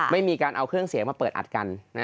ไม่มีการเอาเครื่องเสียงมาเปิดอัดกัน